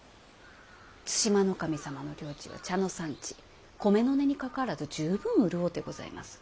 対馬守様の領地は茶の産地米の値にかかわらず十分潤うてございます。